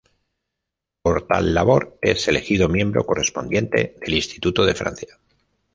Por tal labor, es elegido miembro correspondiente del Instituto de Francia.